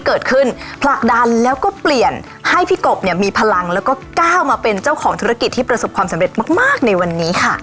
เกิดขึ้นผลักดันแล้วก็เปลี่ยนให้พี่กบเนี่ยมีพลังแล้วก็ก้าวมาเป็นเจ้าของธุรกิจที่ประสบความสำเร็จมากในวันนี้ค่ะ